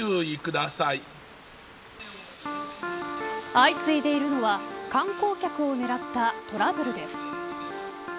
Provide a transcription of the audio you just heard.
相次いでいるのは観光客を狙ったトラブルです。